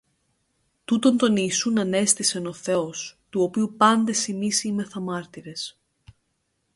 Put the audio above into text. Τούτον τον Ιησούν ανέστησεν ο Θεός, του οποίου πάντες ημείς είμεθα μάρτυρες.